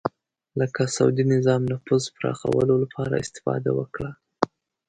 لکه سعودي نظام نفوذ پراخولو لپاره استفاده وکړه